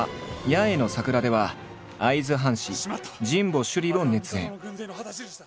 「八重の桜」では会津藩士神保修理を熱演。